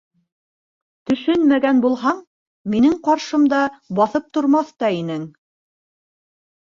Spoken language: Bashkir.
Төшөнмәгән булһаң, минең ҡаршымда баҫып тормаҫ та инең.